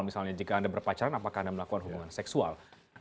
misalnya jika anda berpacaran apakah anda melakukan hubungan seksual